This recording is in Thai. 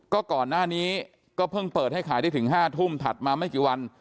ก็ก่อนหน้านี้ก็เพิ่งเปิดให้ขายได้ถึง๕ทุ่มถัดมาไม่กี่วัน